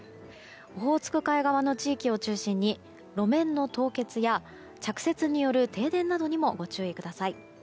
オホーツク海側の地域を中心に路面の凍結や、着雪による停電などにもご注意ください。